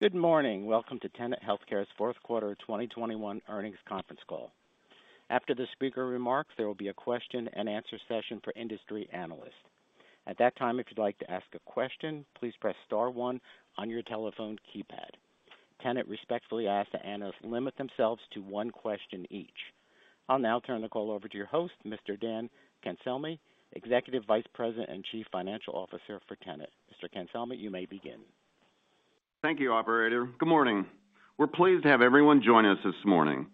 Good morning. Welcome to Tenet Healthcare's fourth quarter 2021 earnings conference call. After the speaker remarks, there will be a question and answer session for industry analysts. At that time, if you'd like to ask a question, please press star one on your telephone keypad. Tenet respectfully asks that analysts limit themselves to one question each. I'll now turn the call over to your host, Mr. Dan Cancelmi, Executive Vice President and Chief Financial Officer for Tenet. Mr. Cancelmi, you may begin. Thank you, operator. Good morning. We're pleased to have everyone join us this morning.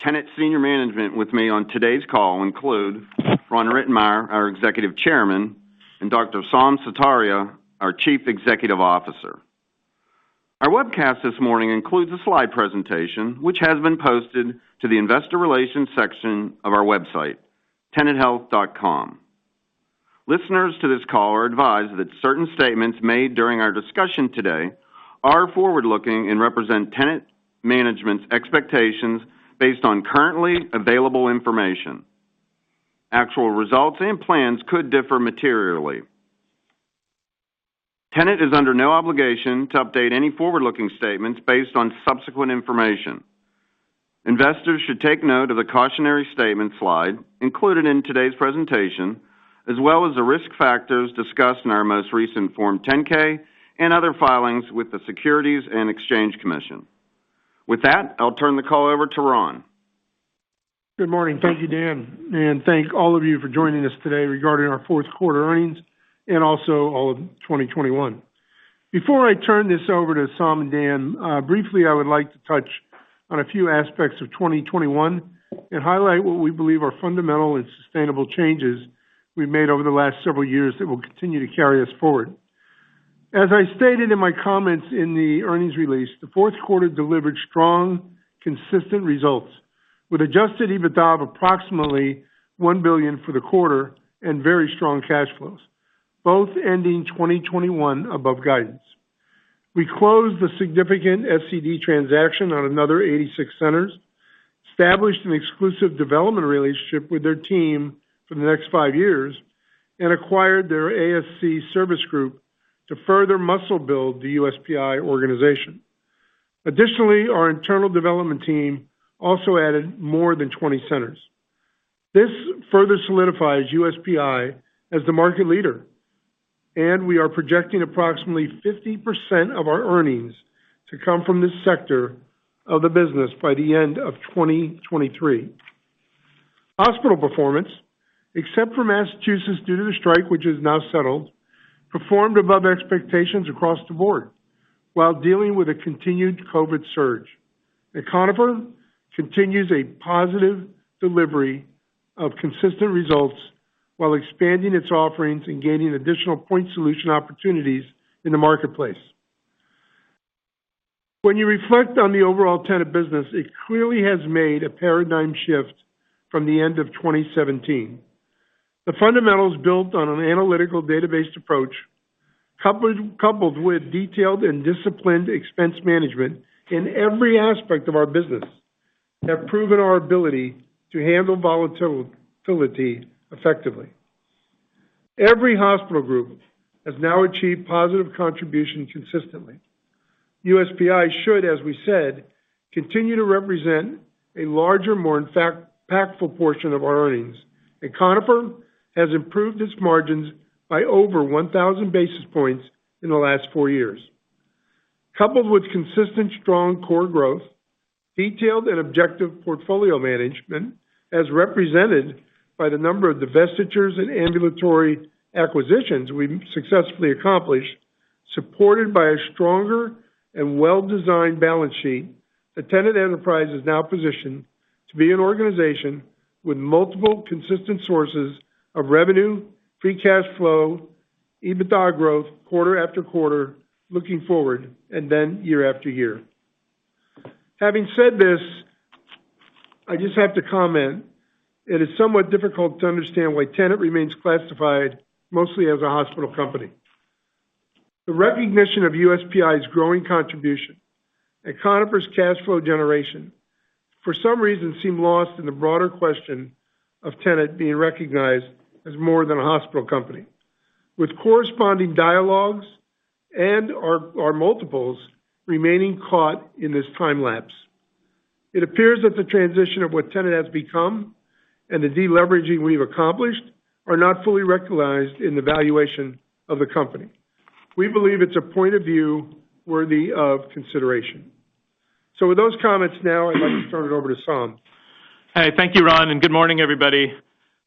Tenet senior management with me on today's call include Ron Rittenmeyer, our Executive Chairman, and Dr. Saum Sutaria, our Chief Executive Officer. Our webcast this morning includes a slide presentation which has been posted to the investor relations section of our website, tenethealth.com. Listeners to this call are advised that certain statements made during our discussion today are forward-looking and represent Tenet management's expectations based on currently available information. Actual results and plans could differ materially. Tenet is under no obligation to update any forward-looking statements based on subsequent information. Investors should take note of the cautionary statement slide included in today's presentation, as well as the risk factors discussed in our most recent Form 10-K and other filings with the Securities and Exchange Commission. With that, I'll turn the call over to Ron. Good morning. Thank you, Dan. Thank all of you for joining us today regarding our fourth quarter earnings and also all of 2021. Before I turn this over to Saum and Dan, briefly, I would like to touch on a few aspects of 2021 and highlight what we believe are fundamental and sustainable changes we've made over the last several years that will continue to carry us forward. As I stated in my comments in the earnings release, the fourth quarter delivered strong, consistent results with adjusted EBITDA of approximately $1 billion for the quarter and very strong cash flows, both ending 2021 above guidance. We closed a significant SCD transaction on another 86 centers, established an exclusive development relationship with their team for the next five years, and acquired their ASC service group to further muscle build the USPI organization. Additionally, our internal development team also added more than 20 centers. This further solidifies USPI as the market leader, and we are projecting approximately 50% of our earnings to come from this sector of the business by the end of 2023. Hospital performance, except for Massachusetts, due to the strike which is now settled, performed above expectations across the board while dealing with a continued COVID surge. Conifer continues a positive delivery of consistent results while expanding its offerings and gaining additional point solution opportunities in the marketplace. When you reflect on the overall Tenet business, it clearly has made a paradigm shift from the end of 2017. The fundamentals built on an analytical database approach, coupled with detailed and disciplined expense management in every aspect of our business, have proven our ability to handle volatility effectively. Every hospital group has now achieved positive contribution consistently. USPI should, as we said, continue to represent a larger, more impactful portion of our earnings. Conifer has improved its margins by over 1,000 basis points in the last four years. Coupled with consistent strong core growth, detailed and objective portfolio management, as represented by the number of divestitures and ambulatory acquisitions we've successfully accomplished, supported by a stronger and well-designed balance sheet, Tenet enterprise is now positioned to be an organization with multiple consistent sources of revenue, free cash flow, EBITDA growth quarter after quarter, looking forward, and then year after year. Having said this, I just have to comment it is somewhat difficult to understand why Tenet remains classified mostly as a hospital company. The recognition of USPI's growing contribution, Conifer's cash flow generation, for some reason seem lost in the broader question of Tenet being recognized as more than a hospital company, with corresponding dialogues and our multiples remaining caught in this time lapse. It appears that the transition of what Tenet has become and the deleveraging we've accomplished are not fully recognized in the valuation of the company. We believe it's a point of view worthy of consideration. With those comments now, I'd like to turn it over to Saum. Hey, thank you, Ron, and good morning, everybody.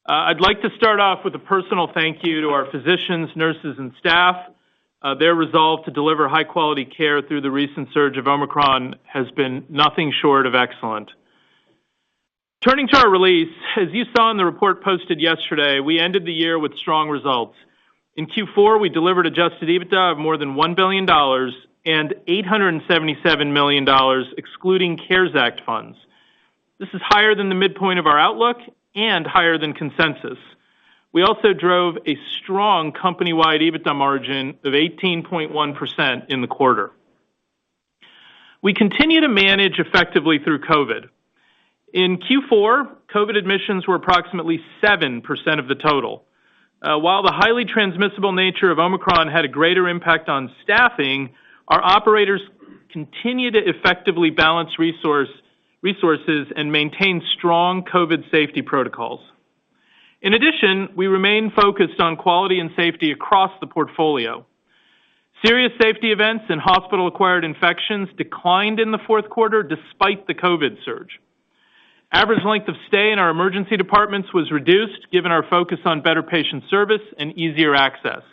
I'd like to start off with a personal thank you to our physicians, nurses, and staff. Their resolve to deliver high-quality care through the recent surge of Omicron has been nothing short of excellent. Turning to our release, as you saw in the report posted yesterday, we ended the year with strong results. In Q4, we delivered adjusted EBITDA of more than $1 billion and $877 million excluding CARES Act funds. This is higher than the midpoint of our outlook and higher than consensus. We also drove a strong company-wide EBITDA margin of 18.1% in the quarter. We continue to manage effectively through COVID. In Q4, COVID admissions were approximately 7% of the total. While the highly transmissible nature of Omicron had a greater impact on staffing, our operators continue to effectively balance resources and maintain strong COVID safety protocols. In addition, we remain focused on quality and safety across the portfolio. Serious safety events and hospital-acquired infections declined in the fourth quarter despite the COVID surge. Average length of stay in our emergency departments was reduced given our focus on better patient service and easier access.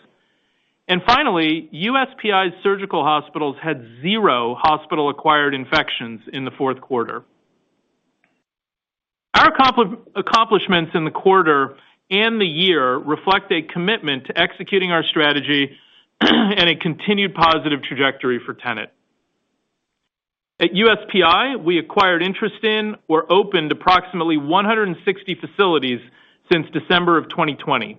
Finally, USPI's surgical hospitals had zero hospital-acquired infections in the fourth quarter. Our accomplishments in the quarter and the year reflect a commitment to executing our strategy and a continued positive trajectory for Tenet. At USPI, we acquired interest in or opened approximately 160 facilities since December 2020.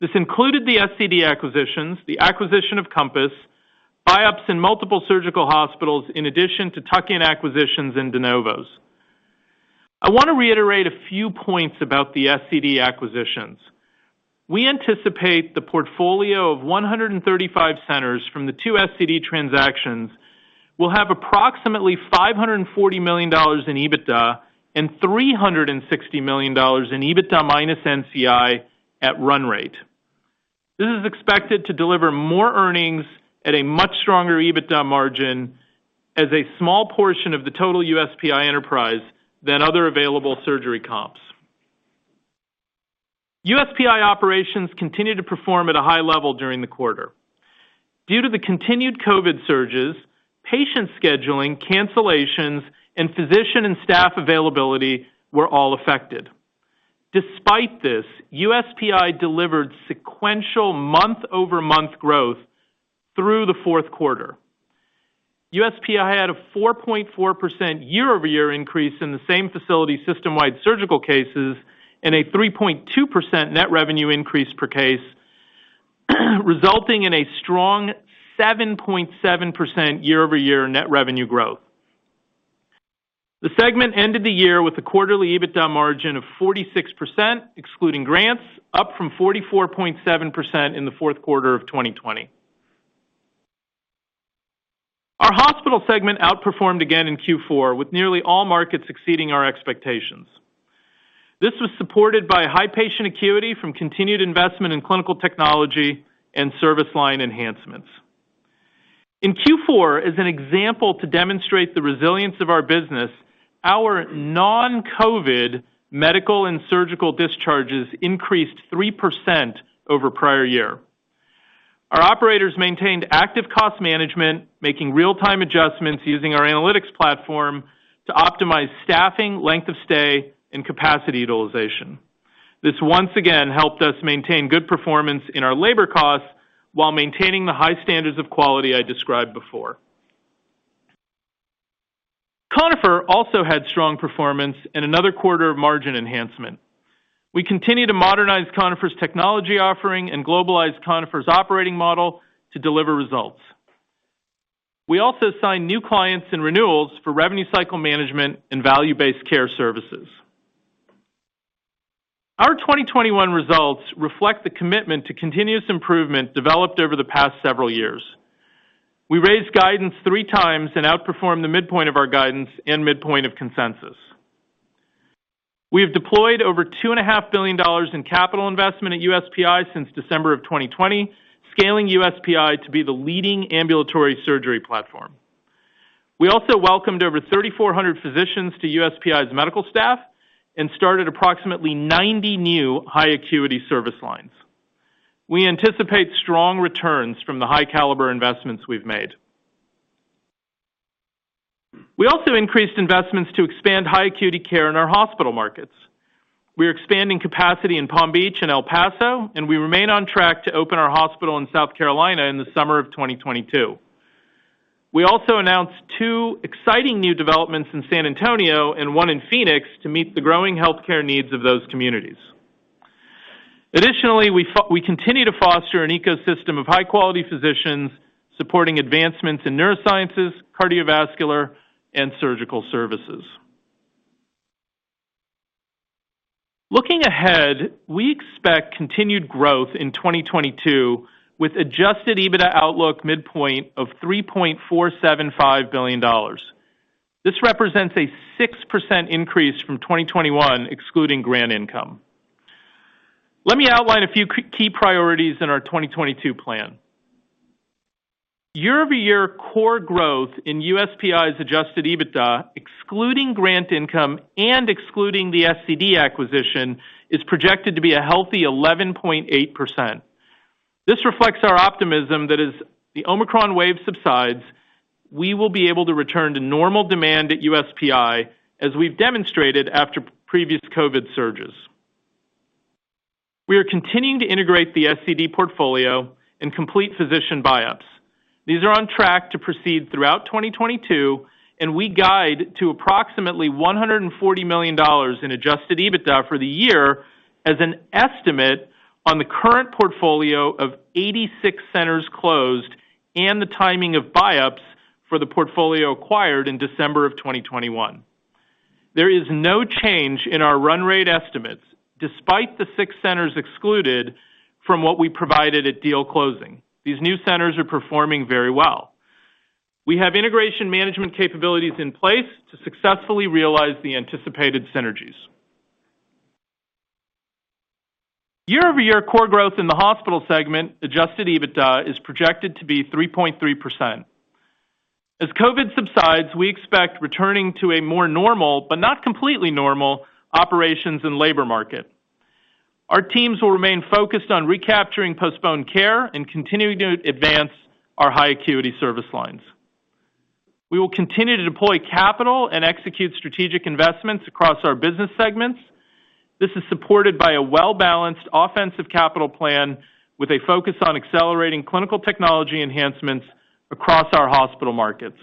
This included the SCD acquisitions, the acquisition of Compass, buyups in multiple surgical hospitals, in addition to tuck-in acquisitions and de novos. I wanna reiterate a few points about the SCD acquisitions. We anticipate the portfolio of 135 centers from the two SCD transactions will have approximately $540 million in EBITDA and $360 million in EBITDA minus NCI at run rate. This is expected to deliver more earnings at a much stronger EBITDA margin as a small portion of the total USPI enterprise than other available surgery comps. USPI operations continued to perform at a high level during the quarter. Due to the continued COVID surges, patient scheduling, cancellations, and physician and staff availability were all affected. Despite this, USPI delivered sequential month-over-month growth through the fourth quarter. USPI had a 4.4% year-over-year increase in the same facility system-wide surgical cases and a 3.2% net revenue increase per case, resulting in a strong 7.7% year-over-year net revenue growth. The segment ended the year with a quarterly EBITDA margin of 46%, excluding grants, up from 44.7% in the fourth quarter of 2020. Our hospital segment outperformed again in Q4, with nearly all markets exceeding our expectations. This was supported by high patient acuity from continued investment in clinical technology and service line enhancements. In Q4, as an example to demonstrate the resilience of our business, our non-COVID medical and surgical discharges increased 3% over prior year. Our operators maintained active cost management, making real-time adjustments using our analytics platform to optimize staffing, length of stay, and capacity utilization. This once again helped us maintain good performance in our labor costs while maintaining the high standards of quality I described before. Conifer also had strong performance and another quarter of margin enhancement. We continue to modernize Conifer's technology offering and globalize Conifer's operating model to deliver results. We also signed new clients and renewals for revenue cycle management and value-based care services. Our 2021 results reflect the commitment to continuous improvement developed over the past several years. We raised guidance three times and outperformed the midpoint of our guidance and midpoint of consensus. We have deployed over $2.5 billion in capital investment at USPI since December 2020, scaling USPI to be the leading ambulatory surgery platform. We also welcomed over 3,400 physicians to USPI's medical staff and started approximately 90 new high acuity service lines. We anticipate strong returns from the high caliber investments we've made. We also increased investments to expand high acuity care in our hospital markets. We're expanding capacity in Palm Beach and El Paso, and we remain on track to open our hospital in South Carolina in the summer of 2022. We also announced two exciting new developments in San Antonio and one in Phoenix to meet the growing healthcare needs of those communities. Additionally, we continue to foster an ecosystem of high-quality physicians supporting advancements in neurosciences, cardiovascular, and surgical services. Looking ahead, we expect continued growth in 2022 with adjusted EBITDA outlook midpoint of $3.475 billion. This represents a 6% increase from 2021, excluding grant income. Let me outline a few key priorities in our 2022 plan. Year-over-year core growth in USPI's adjusted EBITDA, excluding grant income and excluding the SCD acquisition, is projected to be a healthy 11.8%. This reflects our optimism that as the Omicron wave subsides, we will be able to return to normal demand at USPI as we've demonstrated after previous COVID surges. We are continuing to integrate the SCD portfolio and complete physician buyups. These are on track to proceed throughout 2022, and we guide to approximately $140 million in adjusted EBITDA for the year as an estimate on the current portfolio of 86 centers closed and the timing of buy-ups for the portfolio acquired in December of 2021. There is no change in our run rate estimates despite the 6 centers excluded from what we provided at deal closing. These new centers are performing very well. We have integration management capabilities in place to successfully realize the anticipated synergies. Year-over-year core growth in the hospital segment, adjusted EBITDA, is projected to be 3.3%. As COVID subsides, we expect returning to a more normal, but not completely normal, operations and labor market. Our teams will remain focused on recapturing postponed care and continuing to advance our high acuity service lines. We will continue to deploy capital and execute strategic investments across our business segments. This is supported by a well-balanced offensive capital plan with a focus on accelerating clinical technology enhancements across our hospital markets.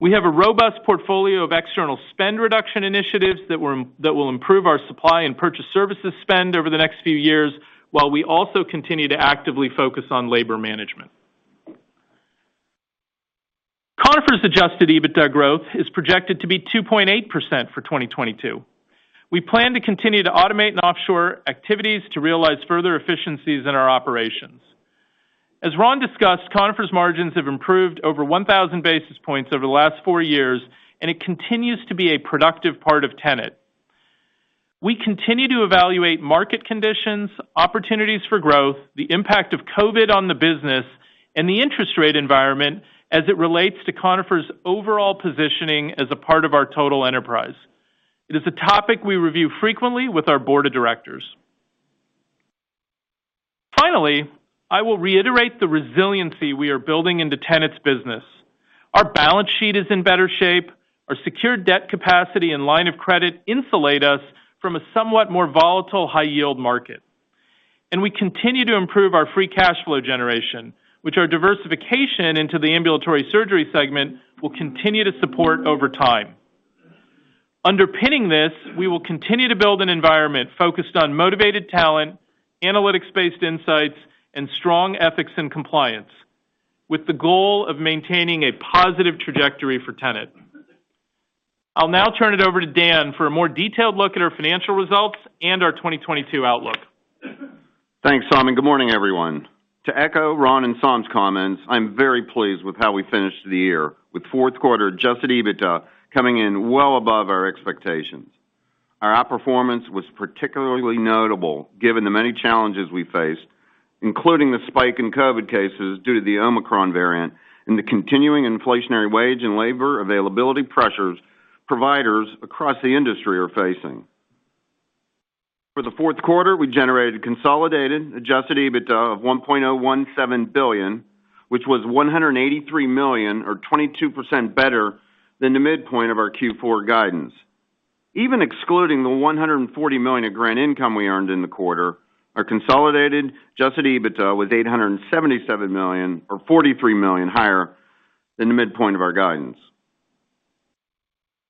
We have a robust portfolio of external spend reduction initiatives that will improve our supply and purchase services spend over the next few years, while we also continue to actively focus on labor management. Conifer's adjusted EBITDA growth is projected to be 2.8% for 2022. We plan to continue to automate and offshore activities to realize further efficiencies in our operations. As Ron discussed, Conifer's margins have improved over 1,000 basis points over the last four years, and it continues to be a productive part of Tenet. We continue to evaluate market conditions, opportunities for growth, the impact of COVID on the business, and the interest rate environment as it relates to Conifer's overall positioning as a part of our total enterprise. It is a topic we review frequently with our board of directors. Finally, I will reiterate the resiliency we are building into Tenet's business. Our balance sheet is in better shape. Our secured debt capacity and line of credit insulate us from a somewhat more volatile high-yield market. We continue to improve our free cash flow generation, which our diversification into the ambulatory surgery segment will continue to support over time. Underpinning this, we will continue to build an environment focused on motivated talent, analytics-based insights, and strong ethics and compliance, with the goal of maintaining a positive trajectory for Tenet. I'll now turn it over to Dan for a more detailed look at our financial results and our 2022 outlook. Thanks, Saum. Good morning, everyone. To echo Ron and Saum's comments, I'm very pleased with how we finished the year, with fourth quarter adjusted EBITDA coming in well above our expectations. Our outperformance was particularly notable given the many challenges we faced, including the spike in COVID cases due to the Omicron variant and the continuing inflationary wage and labor availability pressures providers across the industry are facing. For the fourth quarter, we generated consolidated adjusted EBITDA of $1.017 billion, which was $183 million or 22% better than the midpoint of our Q4 guidance. Even excluding the $140 million of grant income we earned in the quarter, our consolidated adjusted EBITDA was $877 million or $43 million higher than the midpoint of our guidance.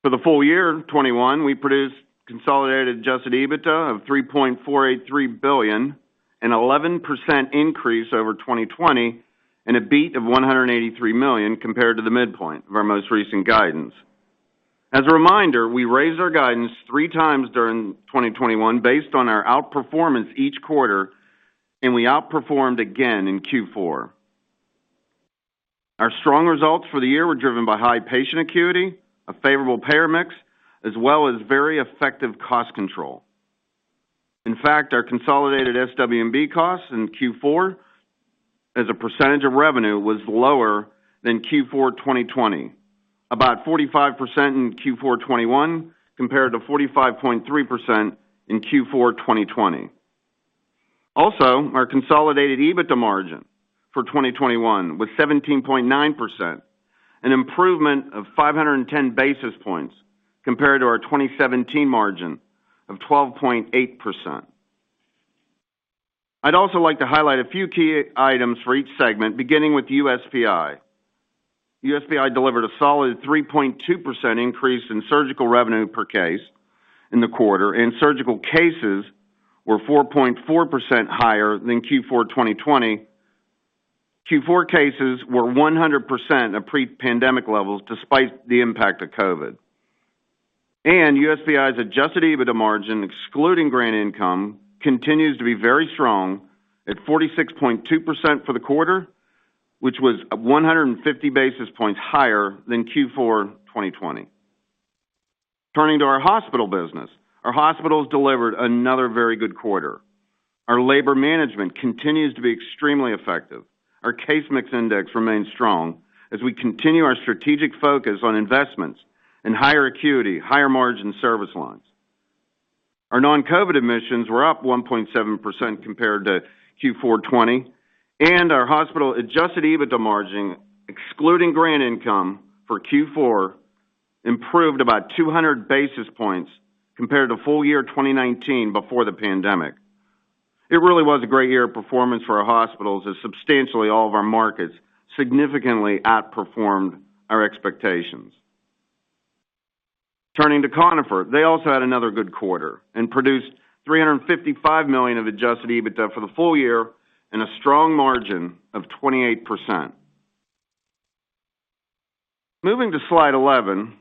For the full year 2021, we produced consolidated adjusted EBITDA of $3.483 billion, an 11% increase over 2020 and a beat of $183 million compared to the midpoint of our most recent guidance. As a reminder, we raised our guidance three times during 2021 based on our outperformance each quarter, and we outperformed again in Q4. Our strong results for the year were driven by high patient acuity, a favorable payer mix, as well as very effective cost control. In fact, our consolidated SW&B costs in Q4 as a percentage of revenue was lower than Q4 2020, about 45% in Q4 2021 compared to 45.3% in Q4 2020. Also, our consolidated EBITDA margin for 2021 was 17.9%, an improvement of 510 basis points compared to our 2017 margin of 12.8%. I'd also like to highlight a few key items for each segment, beginning with USPI. USPI delivered a solid 3.2% increase in surgical revenue per case in the quarter, and surgical cases were 4.4% higher than Q4 2020. Q4 cases were 100% of pre-pandemic levels despite the impact of COVID. USPI's adjusted EBITDA margin, excluding grant income, continues to be very strong at 46.2% for the quarter, which was 150 basis points higher than Q4 2020. Turning to our hospital business. Our hospitals delivered another very good quarter. Our labor management continues to be extremely effective. Our case mix index remains strong as we continue our strategic focus on investments in higher acuity, higher margin service lines. Our non-COVID admissions were up 1.7% compared to Q4 2020, and our hospital adjusted EBITDA margin, excluding grant income, for Q4 improved about 200 basis points compared to full year 2019 before the pandemic. It really was a great year of performance for our hospitals as substantially all of our markets significantly outperformed our expectations. Turning to Conifer. They also had another good quarter and produced $355 million of adjusted EBITDA for the full year and a strong margin of 28%. Moving to slide 11.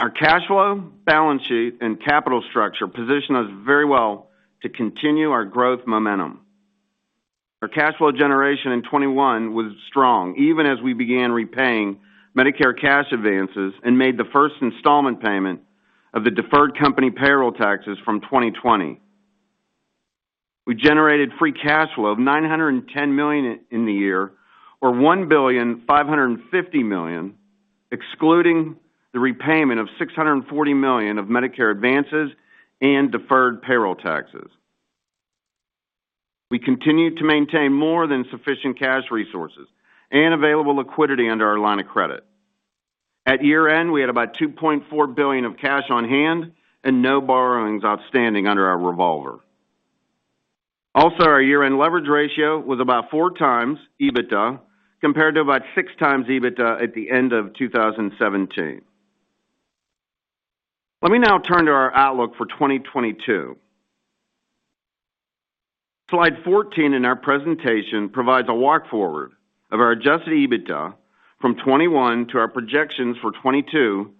Our cash flow, balance sheet, and capital structure position us very well to continue our growth momentum. Our cash flow generation in 2021 was strong, even as we began repaying Medicare cash advances and made the first installment payment of the deferred company payroll taxes from 2020. We generated free cash flow of $910 million in the year, or $1.55 billion, excluding the repayment of $640 million of Medicare advances and deferred payroll taxes. We continued to maintain more than sufficient cash resources and available liquidity under our line of credit. At year-end, we had about $2.4 billion of cash on hand and no borrowings outstanding under our revolver. Also, our year-end leverage ratio was about 4x EBITDA, compared to about 6x EBITDA at the end of 2017. Let me now turn to our outlook for 2022. Slide 14 in our presentation provides a walk-forward of our adjusted EBITDA from 2021 to our projections for 2022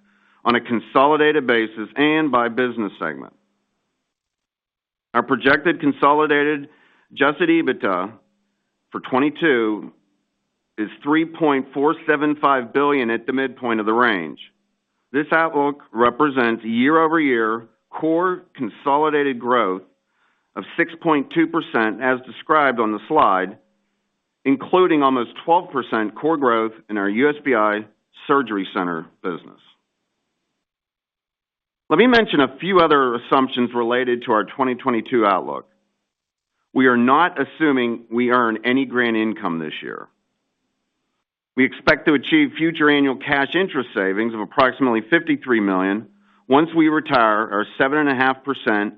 on a consolidated basis and by business segment. Our projected consolidated adjusted EBITDA for 2022 is $3.475 billion at the midpoint of the range. This outlook represents year-over-year core consolidated growth of 6.2%, as described on the slide, including almost 12% core growth in our USPI surgery center business. Let me mention a few other assumptions related to our 2022 outlook. We are not assuming we earn any grant income this year. We expect to achieve future annual cash interest savings of approximately $53 million once we retire our 7.5%,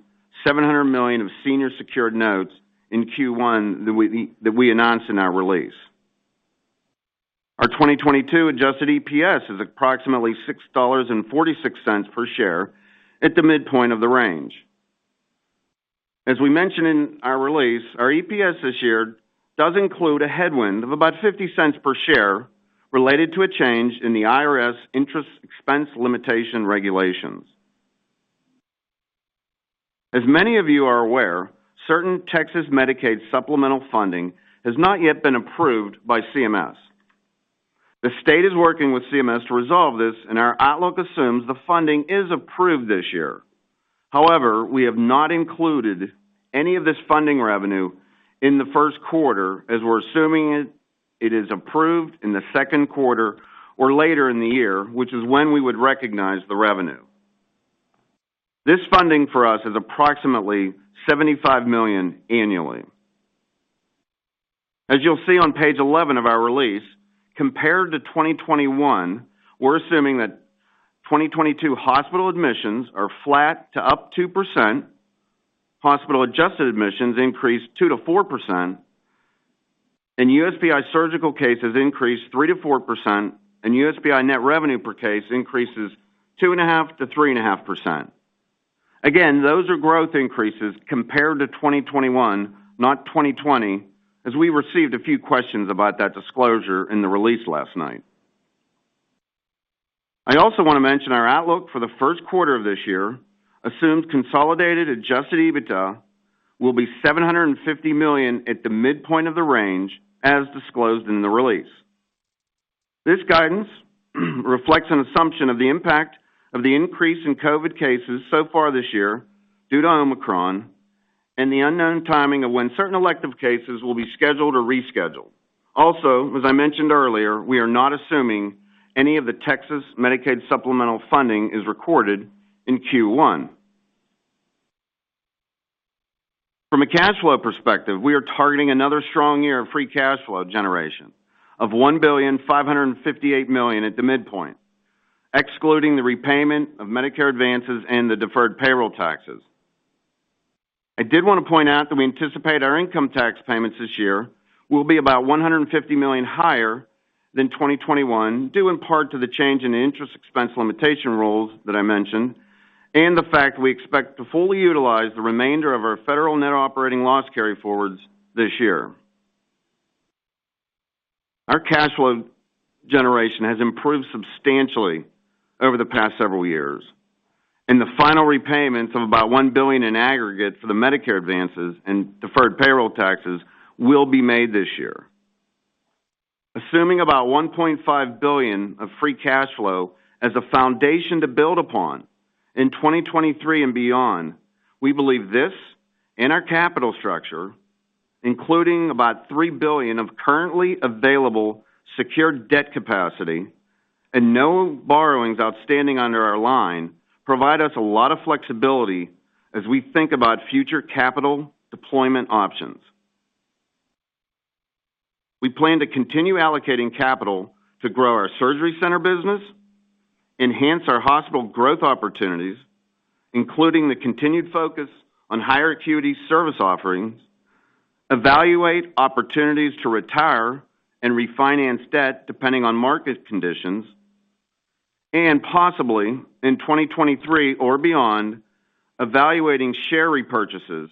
$700 million of senior secured notes in Q1 that we announce in our release. Our 2022 adjusted EPS is approximately $6.46 per share at the midpoint of the range. As we mentioned in our release, our EPS this year does include a headwind of about $0.50 per share related to a change in the IRS interest expense limitation regulations. As many of you are aware, certain Texas Medicaid supplemental funding has not yet been approved by CMS. The state is working with CMS to resolve this, and our outlook assumes the funding is approved this year. However, we have not included any of this funding revenue in the first quarter as we're assuming it is approved in the second quarter or later in the year, which is when we would recognize the revenue. This funding for us is approximately $75 million annually. As you'll see on page 11 of our release, compared to 2021, we're assuming that 2022 hospital admissions are flat to up 2%, hospital adjusted admissions increase 2%-4%, and USPI surgical cases increase 3%-4%, and USPI net revenue per case increases 2.5%-3.5%. Again, those are growth increases compared to 2021, not 2020, as we received a few questions about that disclosure in the release last night. I also want to mention our outlook for the first quarter of this year assumes consolidated adjusted EBITDA will be $750 million at the midpoint of the range, as disclosed in the release. This guidance reflects an assumption of the impact of the increase in COVID cases so far this year due to Omicron and the unknown timing of when certain elective cases will be scheduled or rescheduled. Also, as I mentioned earlier, we are not assuming any of the Texas Medicaid supplemental funding is recorded in Q1. From a cash flow perspective, we are targeting another strong year of free cash flow generation of $1.558 billion at the midpoint, excluding the repayment of Medicare advances and the deferred payroll taxes. I did want to point out that we anticipate our income tax payments this year will be about $150 million higher than 2021, due in part to the change in the interest expense limitation rules that I mentioned, and the fact we expect to fully utilize the remainder of our federal net operating loss carryforwards this year. Our cash flow generation has improved substantially over the past several years, and the final repayments of about $1 billion in aggregate for the Medicare advances and deferred payroll taxes will be made this year. Assuming about $1.5 billion of free cash flow as a foundation to build upon in 2023 and beyond, we believe this and our capital structure, including about $3 billion of currently available secured debt capacity and no borrowings outstanding under our line, provide us a lot of flexibility as we think about future capital deployment options. We plan to continue allocating capital to grow our surgery center business, enhance our hospital growth opportunities, including the continued focus on higher acuity service offerings. Evaluate opportunities to retire and refinance debt depending on market conditions. Possibly in 2023 or beyond, evaluating share repurchases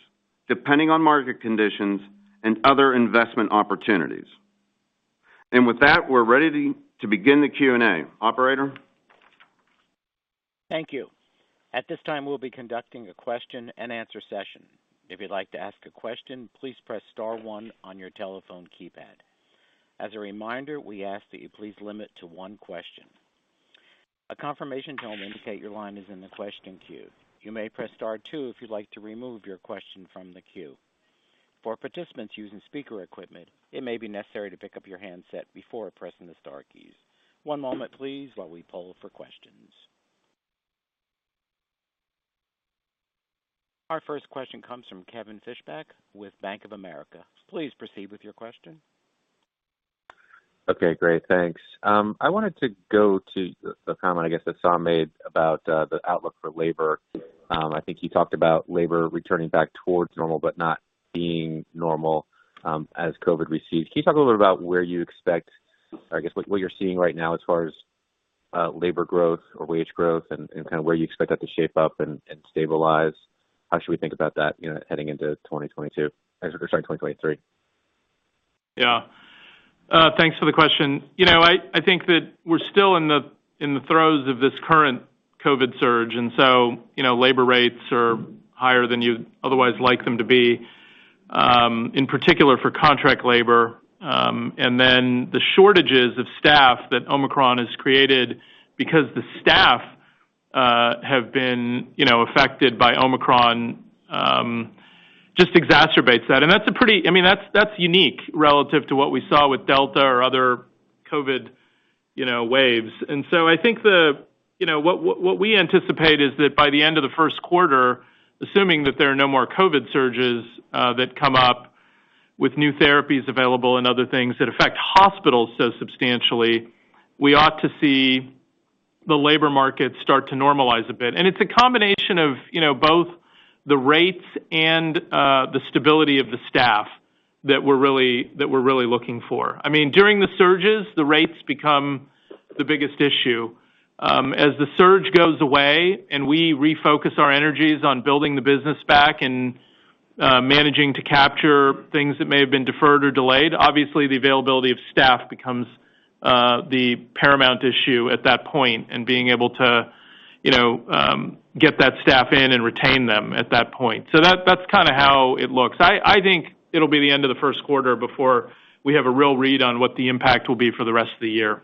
depending on market conditions and other investment opportunities. With that, we're ready to begin the Q&A. Operator? Thank you. At this time, we'll be conducting a question and answer session. If you'd like to ask a question, please press star one on your telephone keypad. As a reminder, we ask that you please limit to one question. A confirmation tone will indicate your line is in the question queue. You may press star two if you'd like to remove your question from the queue. For participants using speaker equipment, it may be necessary to pick up your handset before pressing the star keys. One moment please, while we poll for questions. Our first question comes from Kevin Fischbeck with Bank of America. Please proceed with your question. Okay, great. Thanks. I wanted to go to the comment, I guess, that Saum made about the outlook for labor. I think you talked about labor returning back towards normal but not being normal as COVID recedes. Can you talk a little bit about or I guess what you're seeing right now as far as labor growth or wage growth and kinda where you expect that to shape up and stabilize? How should we think about that, you know, heading into 2022, sorry, 2023? Yeah. Thanks for the question. You know, I think that we're still in the throes of this current COVID surge, so, you know, labor rates are higher than you'd otherwise like them to be, in particular for contract labor. The shortages of staff that Omicron has created because the staff have been, you know, affected by Omicron just exacerbates that. That's pretty unique relative to what we saw with Delta or other COVID waves. I think what we anticipate is that by the end of the first quarter, assuming that there are no more COVID surges that come up with new therapies available and other things that affect hospitals so substantially, we ought to see the labor market start to normalize a bit. It's a combination of, you know, both the rates and the stability of the staff that we're really looking for. I mean, during the surges, the rates become the biggest issue. As the surge goes away and we refocus our energies on building the business back and managing to capture things that may have been deferred or delayed, obviously, the availability of staff becomes the paramount issue at that point, and being able to, you know, get that staff in and retain them at that point. That's kinda how it looks. I think it'll be the end of the first quarter before we have a real read on what the impact will be for the rest of the year.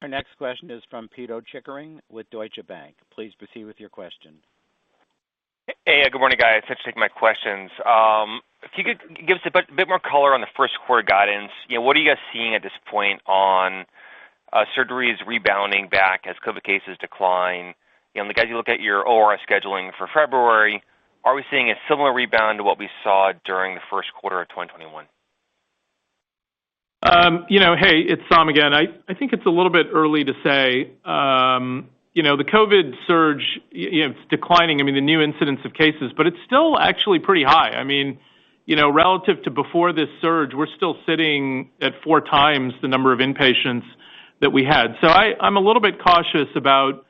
Our next question is from Pito Chickering with Deutsche Bank. Please proceed with your question. Hey. Good morning, guys. Thanks for taking my questions. If you could give us a bit more color on the first quarter guidance. You know, what are you guys seeing at this point on surgeries rebounding back as COVID cases decline? You know, and as you look at your OR scheduling for February, are we seeing a similar rebound to what we saw during the first quarter of 2021? Hey, it's Saum again. I think it's a little bit early to say. You know, the COVID surge, you know, it's declining, I mean, the new incidence of cases, but it's still actually pretty high. I mean, you know, relative to before this surge, we're still sitting at four times the number of inpatients that we had. So I'm a little bit cautious about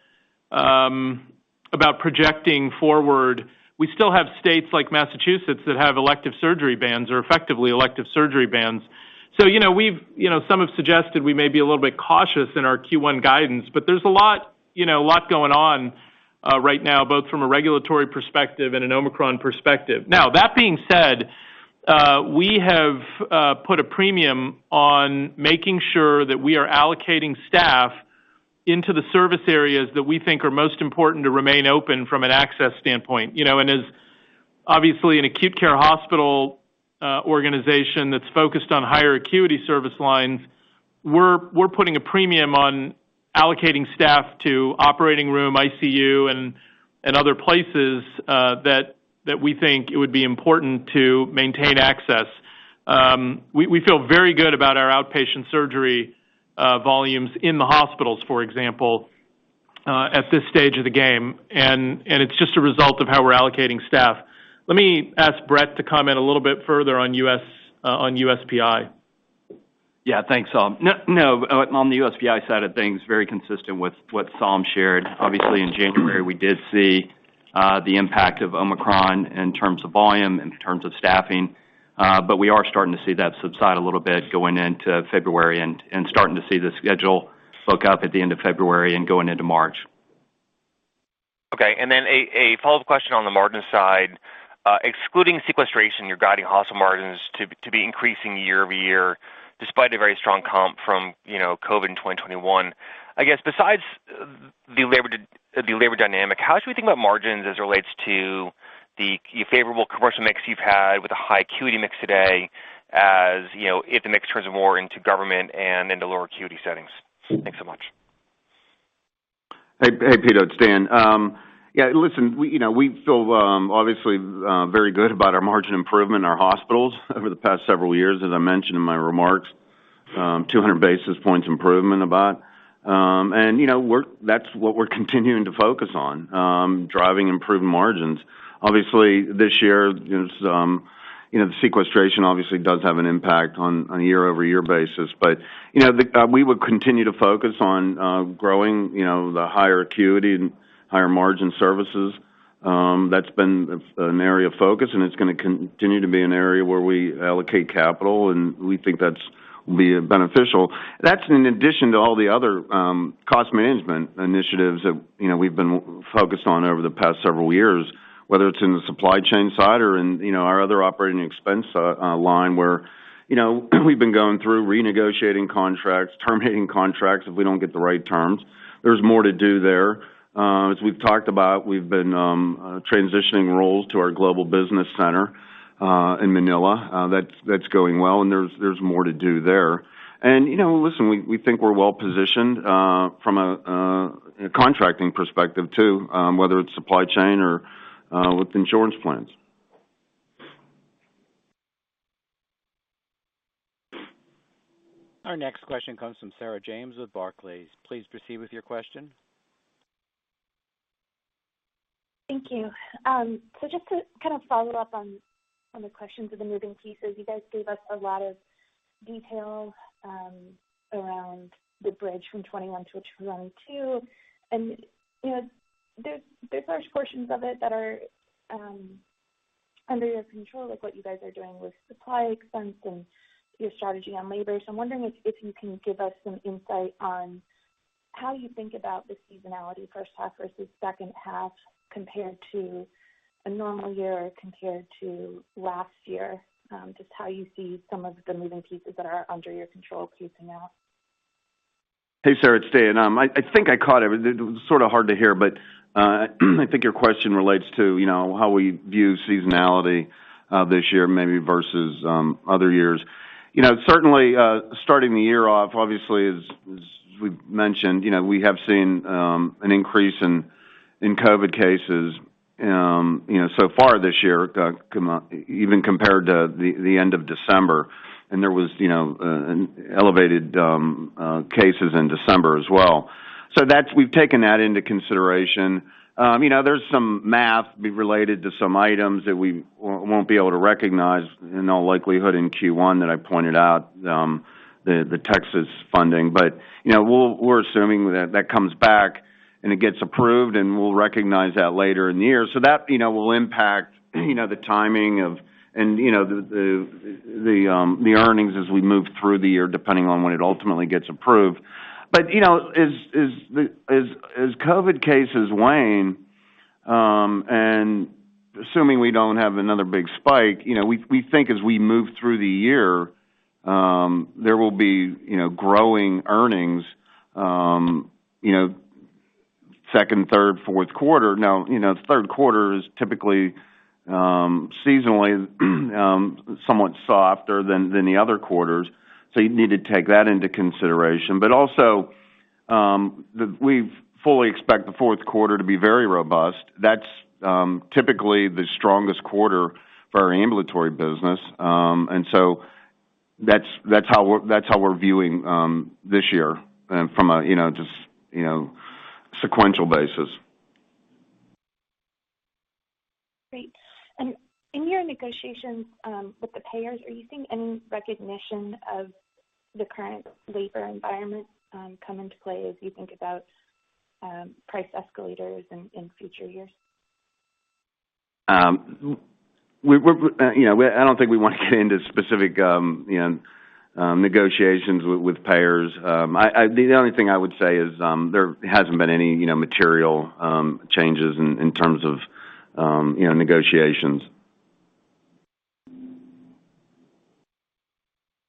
projecting forward. We still have states like Massachusetts that have elective surgery bans or effectively elective surgery bans. So, you know, some have suggested we may be a little bit cautious in our Q1 guidance, but there's a lot, you know, a lot going on right now, both from a regulatory perspective and an Omicron perspective. Now, that being said, we have put a premium on making sure that we are allocating staff into the service areas that we think are most important to remain open from an access standpoint. You know, and as obviously an acute care hospital organization that's focused on higher acuity service lines, we're putting a premium on allocating staff to operating room, ICU, and other places that we think it would be important to maintain access. We feel very good about our outpatient surgery volumes in the hospitals, for example, at this stage of the game, and it's just a result of how we're allocating staff. Let me ask Brett to comment a little bit further on USPI. Yeah. Thanks, Saum. On the USPI side of things, very consistent with what Saum shared. Obviously, in January, we did see the impact of Omicron in terms of volume, in terms of staffing, but we are starting to see that subside a little bit going into February and starting to see the schedule soak up at the end of February and going into March. Okay. A follow-up question on the margin side. Excluding sequestration, you're guiding hospital margins to be increasing year-over-year despite a very strong comp from, you know, COVID in 2021. I guess besides the labor dynamic, how should we think about margins as it relates to the favorable commercial mix you've had with a high acuity mix today, you know, if the mix turns more into government and into lower acuity settings? Thanks so much. Hey, Pito. It's Dan. Yeah. Listen, we, you know, we feel, obviously, very good about our margin improvement in our hospitals over the past several years, as I mentioned in my remarks. 200 basis points improvement about. You know, that's what we're continuing to focus on, driving improved margins. Obviously, this year, you know, some, you know, the sequestration obviously does have an impact on a year-over-year basis. You know, we would continue to focus on growing, you know, the higher acuity and higher margin services. That's been an area of focus, and it's gonna continue to be an area where we allocate capital, and we think that's will be beneficial. That's in addition to all the other cost management initiatives that, you know, we've been focused on over the past several years, whether it's in the supply chain side or in, you know, our other operating expense line where, you know, we've been going through renegotiating contracts, terminating contracts if we don't get the right terms. There's more to do there. As we've talked about, we've been transitioning roles to our global business center in Manila, that's going well, and there's more to do there. You know, listen, we think we're well-positioned from a contracting perspective too, whether it's supply chain or with insurance plans. Our next question comes from Sarah James with Barclays. Please proceed with your question. Thank you. So just to kind of follow up on the questions of the moving pieces, you guys gave us a lot of detail around the bridge from 2021-2022. You know, there's large portions of it that are under your control of what you guys are doing with supply expense and your strategy on labor. I'm wondering if you can give us some insight on how you think about the seasonality first half versus second half, compared to a normal year or compared to last year, just how you see some of the moving pieces that are under your control pacing out. Hey, Sarah, it's Dan. I think it was sort of hard to hear, but I think your question relates to, you know, how we view seasonality, this year maybe versus other years. You know, certainly, starting the year off, obviously, we've mentioned, you know, we have seen an increase in COVID cases, you know, so far this year even compared to the end of December. There was, you know, an elevated cases in December as well. We've taken that into consideration. You know, there's some math related to some items that we won't be able to recognize in all likelihood in Q1 that I pointed out, the Texas funding. You know, we're assuming that that comes back and it gets approved, and we'll recognize that later in the year. That, you know, will impact, you know, the timing of, and, you know, the earnings as we move through the year, depending on when it ultimately gets approved. You know, as the COVID cases wane, and assuming we don't have another big spike, you know, we think as we move through the year, there will be, you know, growing earnings, you know, second, third, fourth quarter. Now, you know, third quarter is typically, seasonally, somewhat softer than the other quarters, so you'd need to take that into consideration. Also, we fully expect the fourth quarter to be very robust. That's typically the strongest quarter for our ambulatory business. That's how we're viewing this year from a, you know, just, you know, sequential basis. Great. In your negotiations with the payers, are you seeing any recognition of the current labor environment come into play as you think about price escalators in future years? You know, I don't think we want to get into specific, you know, negotiations with payers. The only thing I would say is, there hasn't been any, you know, material changes in terms of, you know, negotiations.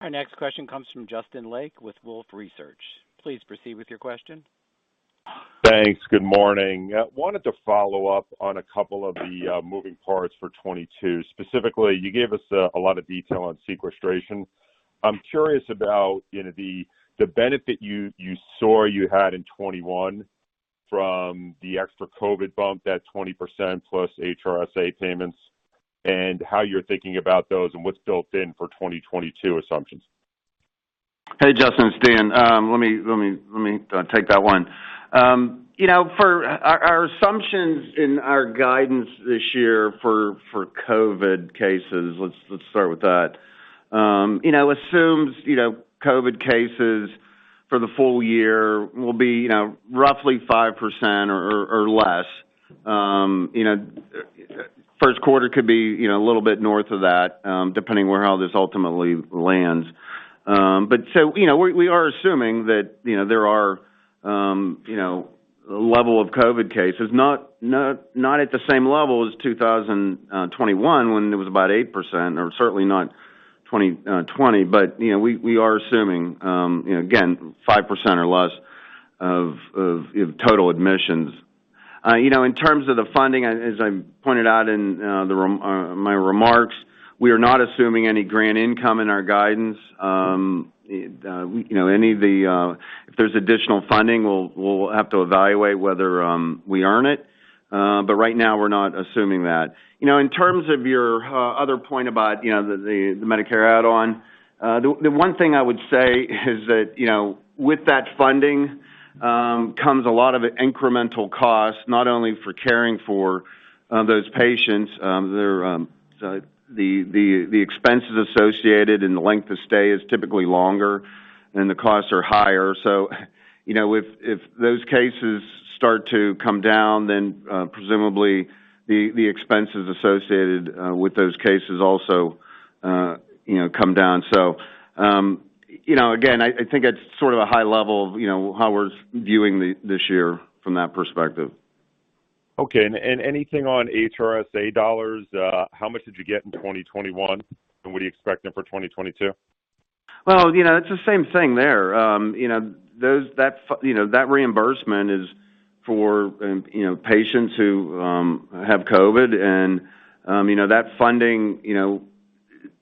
Our next question comes from Justin Lake with Wolfe Research. Please proceed with your question. Thanks. Good morning. I wanted to follow up on a couple of the moving parts for 2022. Specifically, you gave us a lot of detail on sequestration. I'm curious about the benefit you saw you had in 2021 from the extra COVID bump, that 20% plus HRSA payments, and how you're thinking about those, and what's built in for 2022 assumptions. Hey, Justin, it's Dan. Let me take that one. You know, for our assumptions in our guidance this year for COVID cases, let's start with that. You know, assumes COVID cases for the full year will be roughly 5% or less. You know, first quarter could be a little bit north of that, depending on how this ultimately lands. You know, we are assuming that there are a level of COVID cases, not at the same level as 2021 when it was about 8%, or certainly not 2020. You know, we are assuming again 5% or less of total admissions. You know, in terms of the funding, as I pointed out in my remarks, we are not assuming any grant income in our guidance. You know, if there's additional funding, we'll have to evaluate whether we earn it. Right now, we're not assuming that. You know, in terms of your other point about the Medicare add-on, the one thing I would say is that, you know, with that funding comes a lot of incremental costs, not only for caring for those patients, the expenses associated and the length of stay is typically longer and the costs are higher. You know, if those cases start to come down, then, presumably the expenses associated with those cases also, you know, come down. You know, again, I think it's sort of a high level of, you know, how we're viewing this year from that perspective. Okay. Anything on HRSA dollars? How much did you get in 2021? What are you expecting for 2022? Well, you know, it's the same thing there. You know, that reimbursement is for, you know, patients who have COVID and, you know, that funding, you know,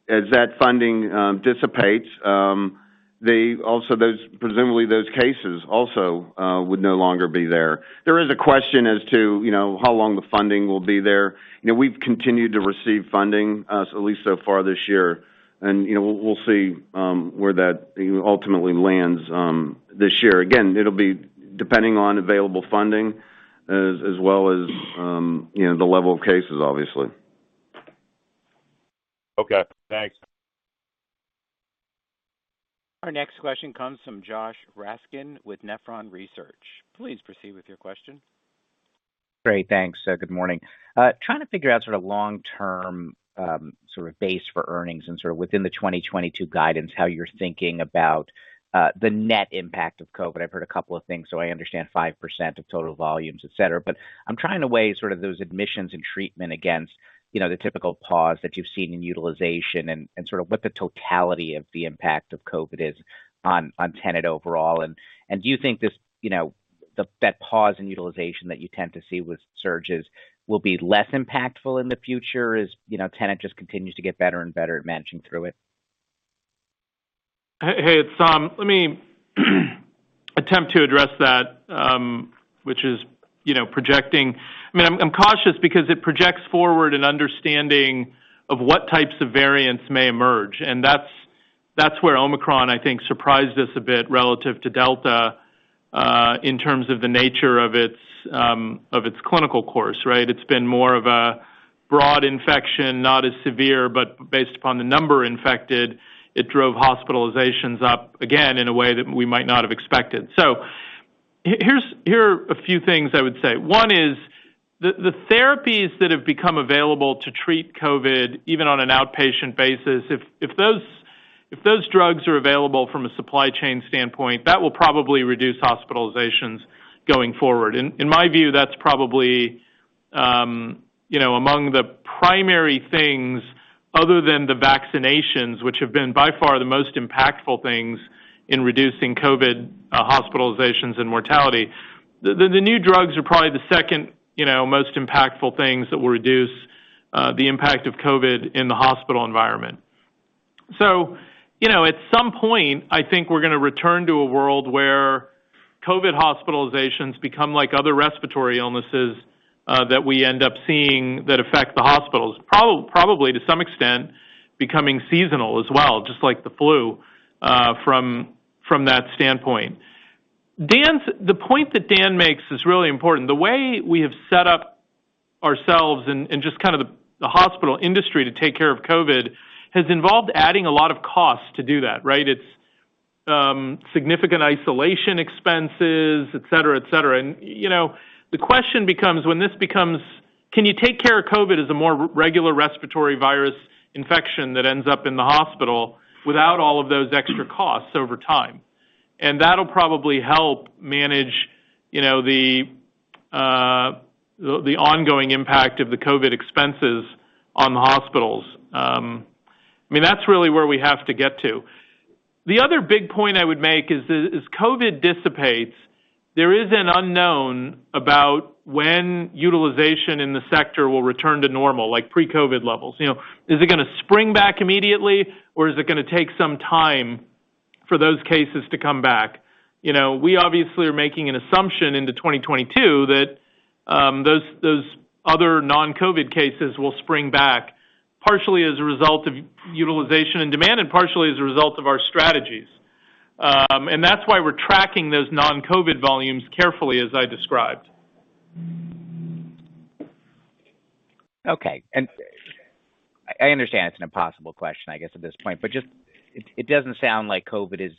as that funding dissipates, they also presumably those cases also would no longer be there. There is a question as to, you know, how long the funding will be there. You know, we've continued to receive funding at least so far this year. You know, we'll see where that ultimately lands this year. Again, it'll be depending on available funding as well as, you know, the level of cases, obviously. Okay, thanks. Our next question comes from Josh Raskin with Nephron Research. Please proceed with your question. Great. Thanks. Good morning. I'm trying to figure out sort of long-term sort of base for earnings and sort of within the 2022 guidance, how you're thinking about the net impact of COVID. I've heard a couple of things, so I understand 5% of total volumes, et cetera. But I'm trying to weigh sort of those admissions and treatment against, you know, the typical pause that you've seen in utilization and sort of what the totality of the impact of COVID is on Tenet overall. Do you think this, you know, that pause in utilization that you tend to see with surges will be less impactful in the future as, you know, Tenet just continues to get better and better at managing through it? Hey, it's Saum. Let me attempt to address that, which is, you know, projecting. I mean, I'm cautious because it projects forward an understanding of what types of variants may emerge. That's where Omicron, I think, surprised us a bit relative to Delta, in terms of the nature of its clinical course, right? It's been more of a broad infection, not as severe, but based upon the number infected, it drove hospitalizations up again in a way that we might not have expected. Here are a few things I would say. One is the therapies that have become available to treat COVID, even on an outpatient basis, if those drugs are available from a supply chain standpoint, that will probably reduce hospitalizations going forward. In my view, that's probably, you know, among the primary things other than the vaccinations, which have been by far the most impactful things in reducing COVID, hospitalizations and mortality. The new drugs are probably the second, you know, most impactful things that will reduce the impact of COVID in the hospital environment. You know, at some point, I think we're gonna return to a world where COVID hospitalizations become like other respiratory illnesses that we end up seeing that affect the hospitals, probably to some extent, becoming seasonal as well, just like the flu, from that standpoint. The point that Dan makes is really important. The way we have set up ourselves and just kind of the hospital industry to take care of COVID has involved adding a lot of costs to do that, right? It's significant isolation expenses, et cetera, et cetera. You know, the question becomes when this becomes can you take care of COVID as a more regular respiratory virus infection that ends up in the hospital without all of those extra costs over time? That'll probably help manage, you know, the ongoing impact of the COVID expenses on the hospitals. I mean, that's really where we have to get to. The other big point I would make is as COVID dissipates, there is an unknown about when utilization in the sector will return to normal, like pre-COVID levels. You know, is it gonna spring back immediately or is it gonna take some time for those cases to come back? You know, we obviously are making an assumption into 2022 that those other non-COVID cases will spring back partially as a result of utilization and demand and partially as a result of our strategies. That's why we're tracking those non-COVID volumes carefully, as I described. Okay. I understand it's an impossible question, I guess, at this point, but just, it doesn't sound like COVID is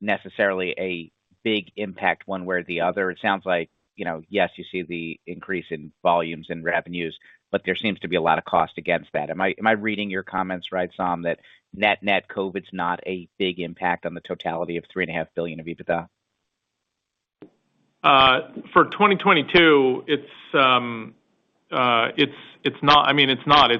necessarily a big impact one way or the other. It sounds like, you know, yes, you see the increase in volumes and revenues, but there seems to be a lot of cost against that. Am I reading your comments right, Saum, that net-net COVID's not a big impact on the totality of $3.5 billion of EBITDA? For 2022, it's not. I mean, it's not.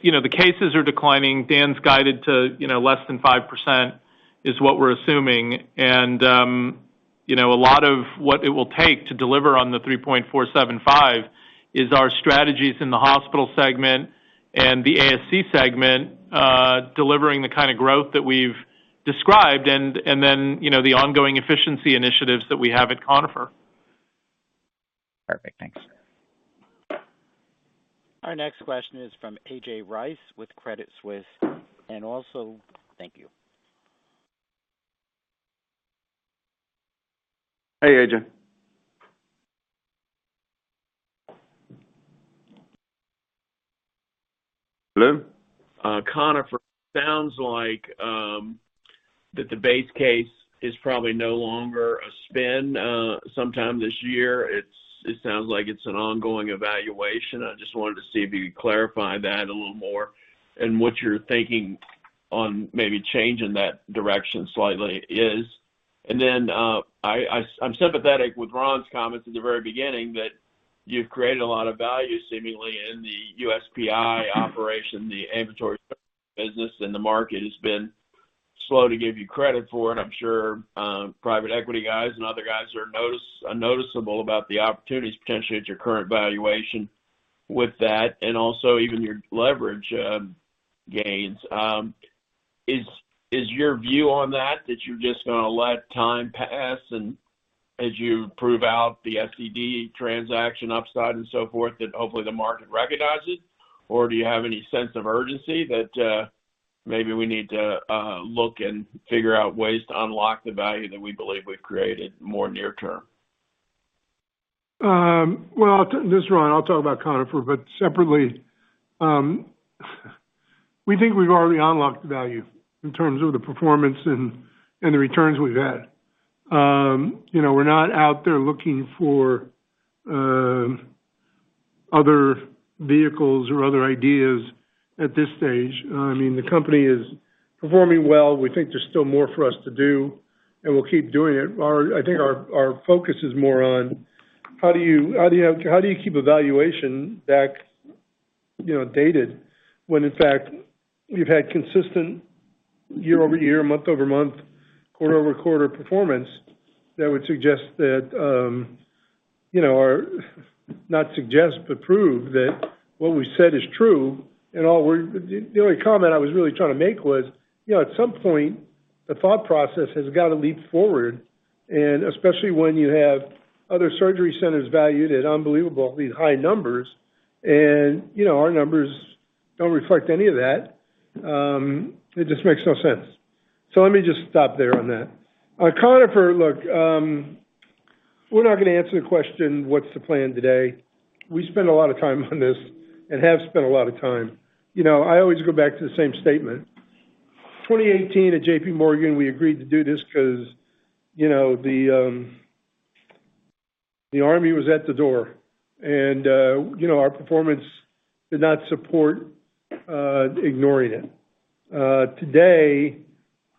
You know, the cases are declining. Dan's guided to, you know, less than 5% is what we're assuming. A lot of what it will take to deliver on the 3.475 is our strategies in the hospital segment and the ASC segment, delivering the kinda growth that we've described and then, you know, the ongoing efficiency initiatives that we have at Conifer. Perfect. Thanks. Our next question is from A.J. Rice with Credit Suisse. Also thank you. Hey, A.J. Hello? Conifer sounds like that the base case is probably no longer a spin sometime this year. It sounds like it's an ongoing evaluation. I just wanted to see if you could clarify that a little more and what you're thinking on maybe changing that direction slightly is. Then, I'm sympathetic with Ron's comments at the very beginning that you've created a lot of value seemingly in the USPI operation, the ambulatory business, and the market has been slow to give you credit for it. I'm sure, private equity guys and other guys are noticing about the opportunities potentially at your current valuation with that and also even your leverage gains. Is your view on that you're just gonna let time pass and as you prove out the SCD transaction upside and so forth, that hopefully the market recognizes? Or do you have any sense of urgency that maybe we need to look and figure out ways to unlock the value that we believe we've created more near term? Well, this is Ron. I'll talk about Conifer, but separately, we think we've already unlocked the value in terms of the performance and the returns we've had. You know, we're not out there looking for other vehicles or other ideas at this stage. I mean, the company is performing well. We think there's still more for us to do, and we'll keep doing it. I think our focus is more on how do you keep a valuation backdated when in fact you've had consistent year-over-year, month-over-month, quarter-over-quarter performance that would suggest that, you know, or not suggest, but prove that what we said is true. The only comment I was really trying to make was, you know, at some point the thought process has got to leap forward. Especially when you have other surgery centers valued at unbelievable, these high numbers. You know, our numbers don't reflect any of that. It just makes no sense. Let me just stop there on that. Conifer look, we're not gonna answer the question, what's the plan today? We spend a lot of time on this and have spent a lot of time. You know, I always go back to the same statement. 2018 at JPMorgan, we agreed to do this because, you know, the army was at the door and, you know, our performance did not support ignoring it. Today,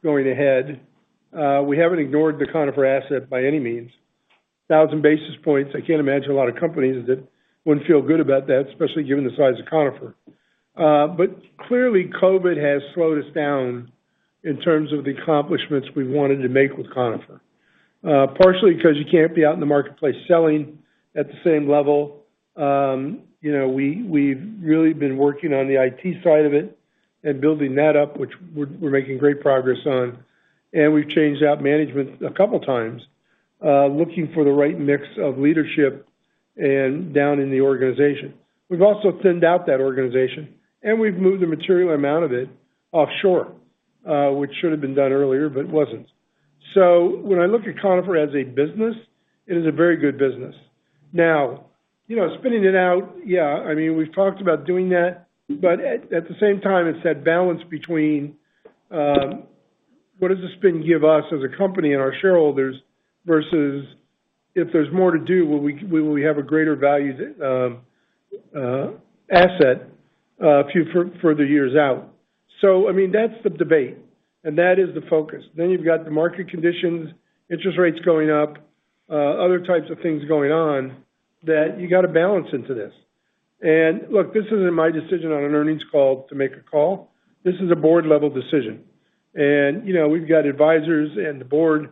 going ahead, we haven't ignored the Conifer asset by any means. 1,000 basis points, I can't imagine a lot of companies that wouldn't feel good about that, especially given the size of Conifer. Clearly COVID has slowed us down in terms of the accomplishments we wanted to make with Conifer. Partially because you can't be out in the marketplace selling at the same level. You know, we've really been working on the IT side of it and building that up, which we're making great progress on. We've changed out management a couple of times, looking for the right mix of leadership and down in the organization. We've also thinned out that organization and we've moved a material amount of it offshore, which should have been done earlier, but it wasn't. When I look at Conifer as a business, it is a very good business. Now, you know, spinning it out, yeah, I mean, we've talked about doing that, but at the same time it's that balance between what does the spin give us as a company and our shareholders versus if there's more to do, will we have a greater value asset a few further years out. I mean, that's the debate and that is the focus. You've got the market conditions, interest rates going up, other types of things going on that you got to balance into this. Look, this isn't my decision on an earnings call to make a call. This is a board level decision. You know, we've got advisors and the board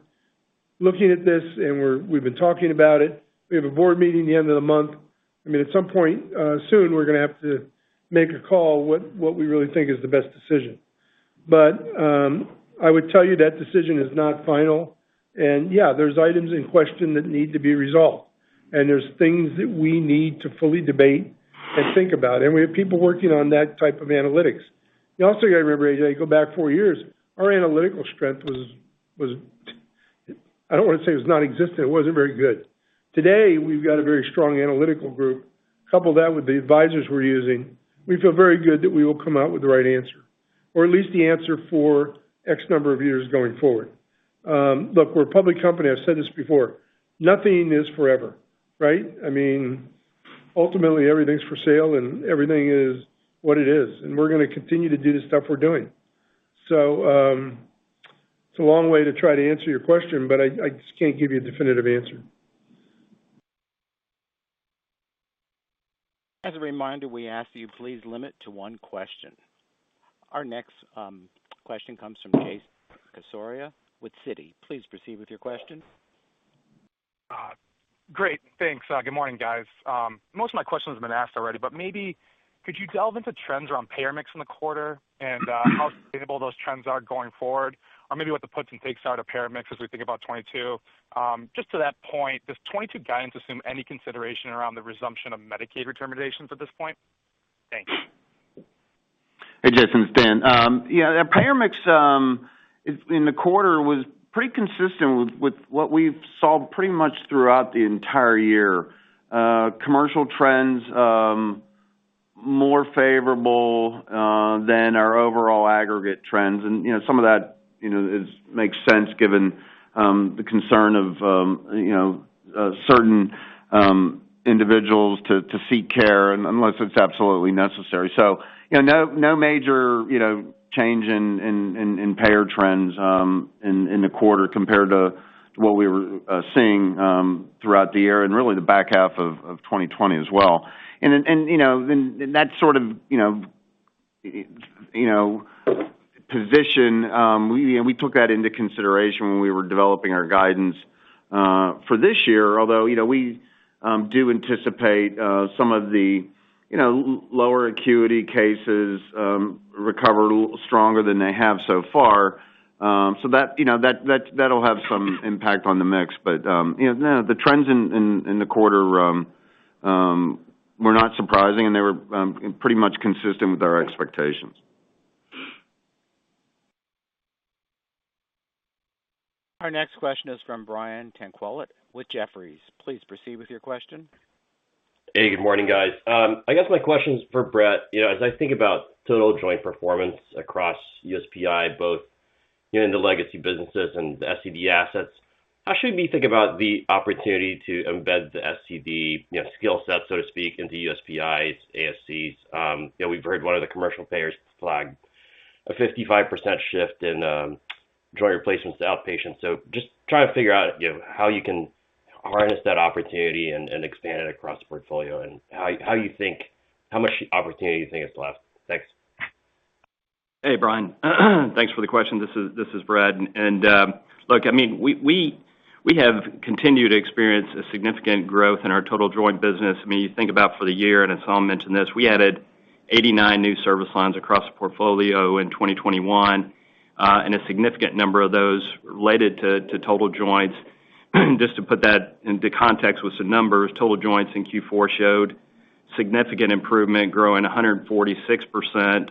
looking at this and we've been talking about it. We have a board meeting the end of the month. I mean, at some point soon we're gonna have to make a call what we really think is the best decision. I would tell you that decision is not final. Yeah, there's items in question that need to be resolved, and there's things that we need to fully debate and think about. We have people working on that type of analytics. You also got to remember, A.J., go back four years. Our analytical strength was, I don't want to say it was nonexistent. It wasn't very good. Today, we've got a very strong analytical group. Couple that with the advisors we're using, we feel very good that we will come out with the right answer or at least the answer for X number of years going forward. Look, we're a public company. I've said this before, nothing is forever, right? I mean, ultimately everything's for sale and everything is what it is, and we're gonna continue to do the stuff we're doing. It's a long way to try to answer your question, but I just can't give you a definitive answer. As a reminder, we ask that you please limit to one question. Our next question comes from Jason Cassorla with Citi. Please proceed with your question. Great. Thanks. Good morning, guys. Most of my questions have been asked already, but maybe could you delve into trends around payer mix in the quarter and, how sustainable those trends are going forward? Or maybe what the puts and takes are to payer mix as we think about 2022. Just to that point, does 2022 guidance assume any consideration around the resumption of Medicaid determinations at this point? Thanks. Hey, Jayson, it's Dan. Yeah, that payer mix in the quarter was pretty consistent with what we've seen pretty much throughout the entire year. Commercial trends more favorable than our overall aggregate trends. You know, some of that, you know, makes sense given the concern of, you know, certain individuals to seek care unless it's absolutely necessary. You know, no major, you know, change in payer trends in the quarter compared to what we were seeing throughout the year and really the back half of 2020 as well. You know, that sort of, you know, position we, you know, we took that into consideration when we were developing our guidance for this year. Although you know we do anticipate some of the you know lower acuity cases recover a little stronger than they have so far. That you know that'll have some impact on the mix. You know the trends in the quarter were not surprising and they were pretty much consistent with our expectations. Our next question is from Brian Tanquilut with Jefferies. Please proceed with your question. Hey, good morning, guys. I guess my question is for Brett. You know, as I think about total joint performance across USPI, both, you know, in the legacy businesses and the SCD assets, how should we think about the opportunity to embed the SCD, you know, skill set, so to speak, into USPI's ASCs? You know, we've heard one of the commercial payers flag a 55% shift in joint replacements to outpatient. Just trying to figure out, you know, how you can harness that opportunity and expand it across the portfolio, and how you think, how much opportunity you think is left. Thanks. Hey, Brian. Thanks for the question. This is Brett. Look, I mean, we have continued to experience a significant growth in our total joint business. I mean, you think about for the year, and as Saum mentioned this, we added 89 new service lines across the portfolio in 2021, and a significant number of those related to total joints. Just to put that into context with some numbers, total joints in Q4 showed significant improvement, growing 146%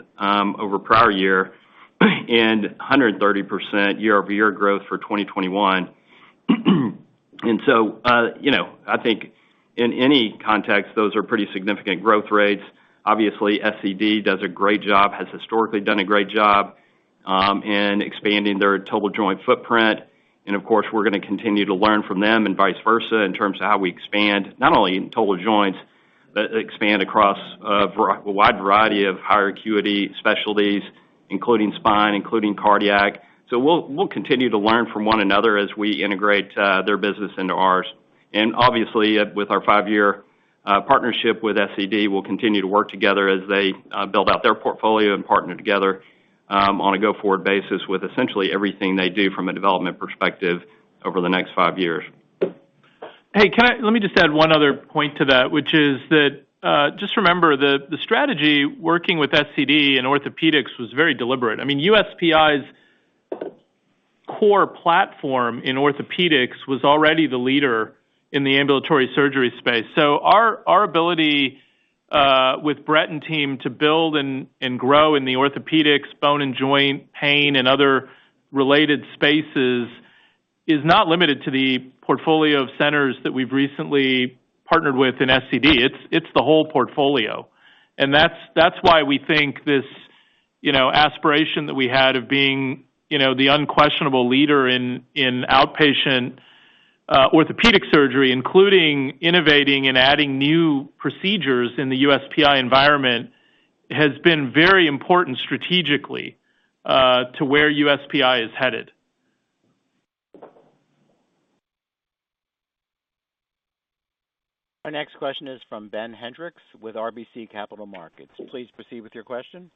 over prior year and 130% year-over-year growth for 2021. You know, I think in any context, those are pretty significant growth rates. Obviously, SCD does a great job, has historically done a great job, in expanding their total joint footprint. Of course, we're gonna continue to learn from them and vice versa in terms of how we expand, not only in total joints, but expand across a wide variety of higher acuity specialties, including spine, including cardiac. We'll continue to learn from one another as we integrate their business into ours. With our five-year partnership with SCD, we'll continue to work together as they build out their portfolio and partner together on a go-forward basis with essentially everything they do from a development perspective over the next five years. Let me just add one other point to that, which is that, just remember the strategy working with SCD in orthopedics was very deliberate. I mean, USPI's core platform in orthopedics was already the leader in the ambulatory surgery space. Our ability with Brett and team to build and grow in the orthopedics, bone and joint, pain, and other related spaces is not limited to the portfolio of centers that we've recently partnered with in SCD. It's the whole portfolio. That's why we think this, you know, aspiration that we had of being, you know, the unquestionable leader in outpatient orthopedic surgery, including innovating and adding new procedures in the USPI environment, has been very important strategically to where USPI is headed. Our next question is from Ben Hendrix with RBC Capital Markets. Please proceed with your question.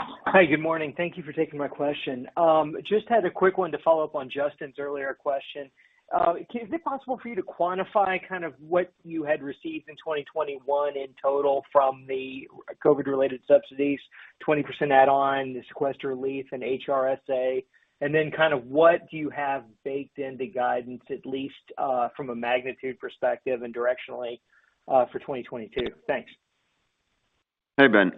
Hi, good morning. Thank you for taking my question. Just had a quick one to follow up on Justin's earlier question. Is it possible for you to quantify kind of what you had received in 2021 in total from the COVID-related subsidies, 20% add-on, the sequester relief, and HRSA? Kind of what do you have baked into guidance, at least, from a magnitude perspective and directionally, for 2022? Thanks. Hey, Ben.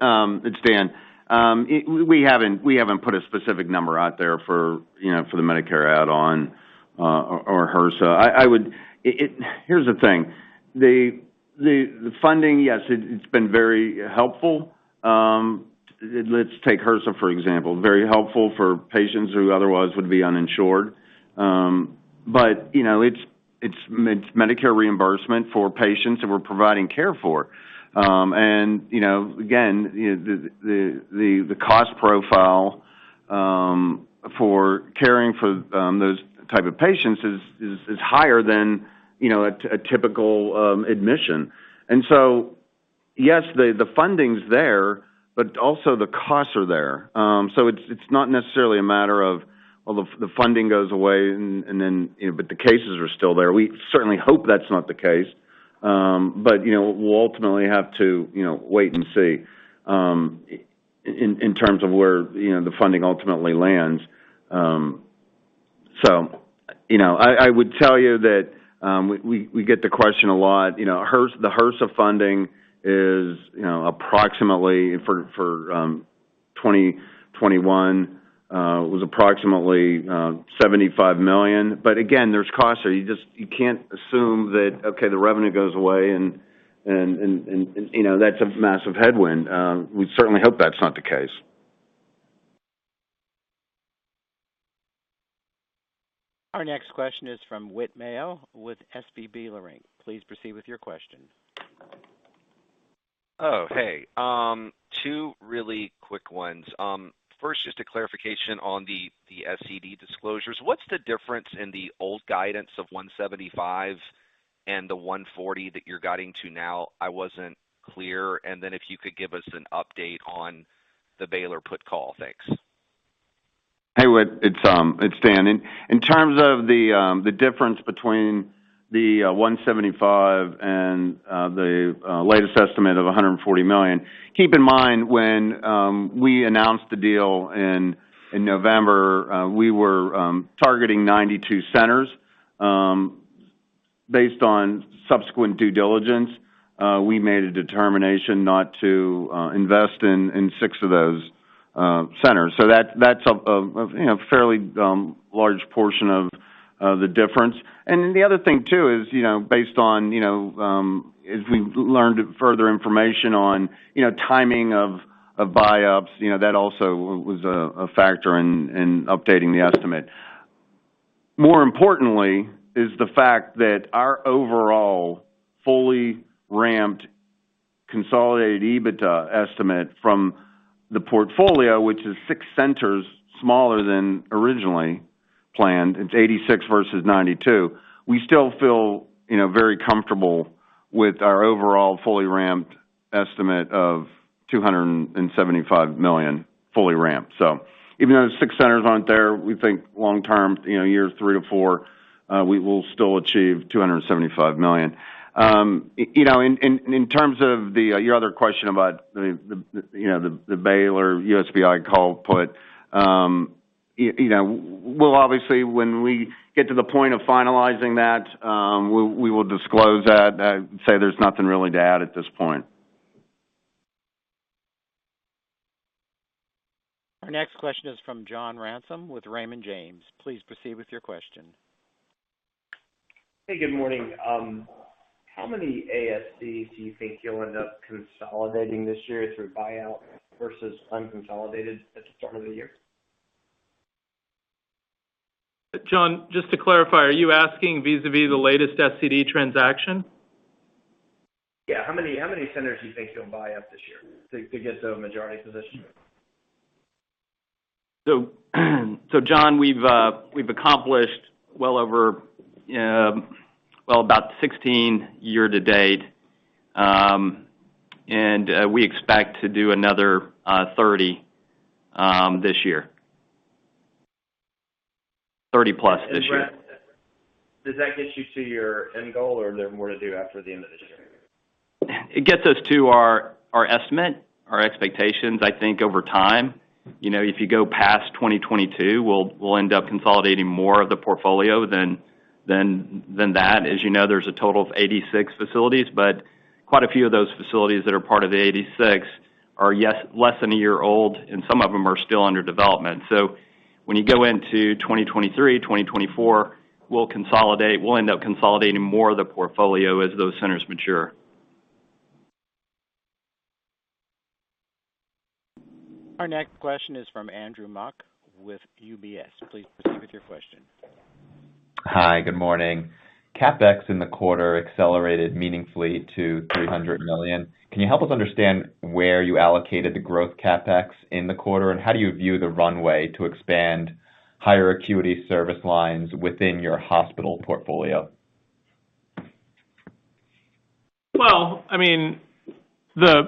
It's Dan. We haven't put a specific number out there for, you know, for the Medicare add-on, or HRSA. I would. Here's the thing. The funding, yes, it's been very helpful. Let's take HRSA, for example. Very helpful for patients who otherwise would be uninsured. You know, it's Medicare reimbursement for patients that we're providing care for. You know, again, you know, the cost profile for caring for those type of patients is higher than, you know, a typical admission. Yes, the funding's there, but also the costs are there. It's not necessarily a matter of, well, the funding goes away and then, you know, but the cases are still there. We certainly hope that's not the case. You know, we'll ultimately have to, you know, wait and see, in terms of where, you know, the funding ultimately lands. You know, I would tell you that, we get the question a lot. You know, HRSA, the HRSA funding is, you know, approximately for 2021 was approximately $75 million. But again, there's costs. You can't assume that, okay, the revenue goes away and, you know, that's a massive headwind. We certainly hope that's not the case. Our next question is from Whit Mayo with SVB Leerink. Please proceed with your question. Oh, hey. Two really quick ones. First, just a clarification on the SCD disclosures. What's the difference in the old guidance of $175 and the $140 that you're guiding to now? I wasn't clear. Then if you could give us an update on the Baylor put call. Thanks. Hey, Whit. It's Dan. In terms of the difference between the $175 million and the latest estimate of $140 million. Keep in mind, when we announced the deal in November, we were targeting 92 centers. Based on subsequent due diligence, we made a determination not to invest in six of those centers. So that's a fairly large portion of the difference. Then the other thing too is, you know, based on, you know, as we learned further information on, you know, timing of buy-ins, you know, that also was a factor in updating the estimate. More importantly is the fact that our overall fully ramped consolidated EBITDA estimate from the portfolio, which is six centers smaller than originally planned, it's 86 versus 92. We still feel, you know very comfortable with our overall fully ramped estimate of $275 million, fully ramped. Even though the six centers aren't there, we think long term, you know, year three-four, we will still achieve $275 million. You know, in terms of your other question about the, you know, the Baylor USPI call put, you know, we'll obviously, when we get to the point of finalizing that, we will disclose that. I'd say there's nothing really to add at this point. Our next question is from John Ransom with Raymond James. Please proceed with your question. Hey, good morning. How many ASC do you think you'll end up consolidating this year through buyout versus unconsolidated at the start of the year? John, just to clarify, are you asking vis-à-vis the latest SCD transaction? Yeah. How many centers do you think you'll buy up this year to get to a majority position? John, we've accomplished well over, well, about 16 year to date. We expect to do another 30 this year. 30+ this year. Brett, does that get you to your end goal or is there more to do after the end of this year? It gets us to our estimate, our expectations. I think over time, you know, if you go past 2022, we'll end up consolidating more of the portfolio than that. As you know, there's a total of 86 facilities, but quite a few of those facilities that are part of the 86 are yes, less than a year old, and some of them are still under development. When you go into 2023, 2024, we'll consolidate, we'll end up consolidating more of the portfolio as those centers mature. Our next question is from Andrew Mok with UBS. Please proceed with your question. Hi, good morning. CapEx in the quarter accelerated meaningfully to $300 million. Can you help us understand where you allocated the growth CapEx in the quarter? How do you view the runway to expand higher acuity service lines within your hospital portfolio? Well, I mean, the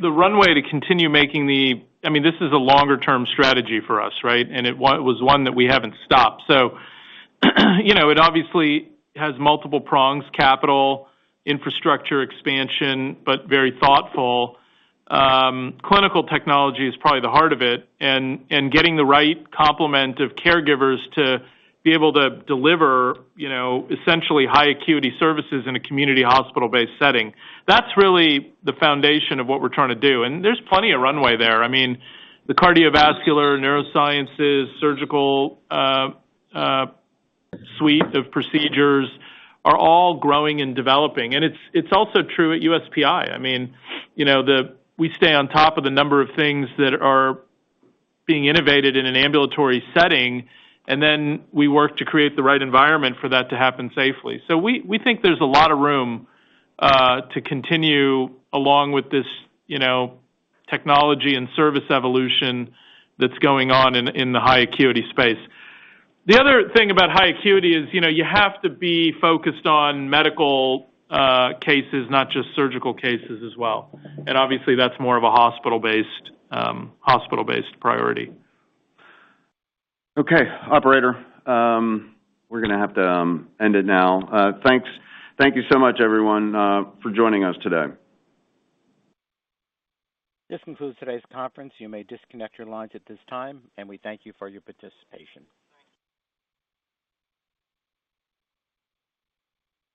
runway to continue making the I mean, this is a longer term strategy for us, right? It was one that we haven't stopped. You know, it obviously has multiple prongs, capital, infrastructure expansion, but very thoughtful. Clinical technology is probably the heart of it, and getting the right complement of caregivers to be able to deliver, you know, essentially high acuity services in a community hospital-based setting. That's really the foundation of what we're trying to do. There's plenty of runway there. I mean, the cardiovascular, neurosciences, surgical suite of procedures are all growing and developing. It's also true at USPI. I mean, you know, we stay on top of the number of things that are being innovated in an ambulatory setting, and then we work to create the right environment for that to happen safely. We think there's a lot of room to continue along with this, you know, technology and service evolution that's going on in the high acuity space. The other thing about high acuity is, you know, you have to be focused on medical cases, not just surgical cases as well. Obviously, that's more of a hospital-based priority. Okay, operator, we're gonna have to end it now. Thanks. Thank you so much, everyone, for joining us today. This concludes today's conference. You may disconnect your lines at this time, and we thank you for your participation. Thank you.